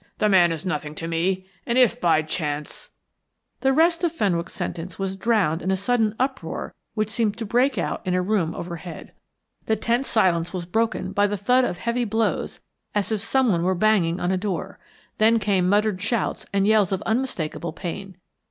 "The man is nothing to me, and if by chance " The rest of Fenwick's sentence was drowned in a sudden uproar which seemed to break out in a room overhead. The tense silence was broken by the thud of heavy blows as if someone were banging on a door, then came muttered shouts and yells of unmistakable pain.